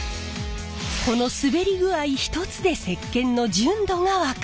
この滑り具合一つで石けんの純度が分かる！